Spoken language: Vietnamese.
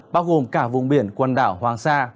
bao gồm cả vùng biển quần đảo hoàng sa